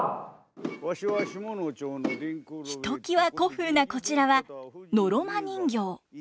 ひときわ古風なこちらはのろま人形。